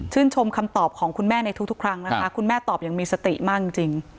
ชมคำตอบของคุณแม่ในทุกครั้งนะคะคุณแม่ตอบอย่างมีสติมากจริง